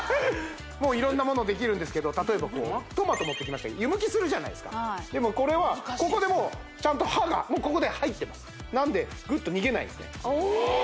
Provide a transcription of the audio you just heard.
もう色んなものできるんですけど例えばトマト持ってきました湯むきするじゃないですかでもこれはここでもうちゃんと刃がもうここで入ってますなんでグッと逃げないですね